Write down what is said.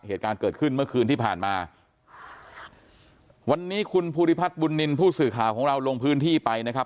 เหตุการณ์เกิดขึ้นเมื่อคืนที่ผ่านมาวันนี้คุณภูริพัฒน์บุญนินทร์ผู้สื่อข่าวของเราลงพื้นที่ไปนะครับ